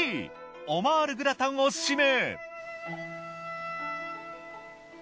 オマールグラタンを指名。